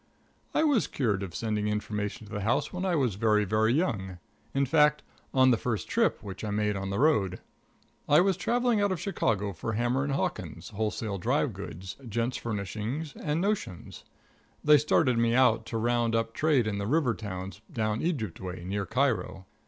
I was cured of sending information to the house when I was very, very young in fact, on the first trip which I made on the road. I was traveling out of Chicago for Hammer & Hawkins, wholesale dry goods, gents' furnishings and notions. They started me out to round up trade in the river towns down Egypt ways, near Cairo.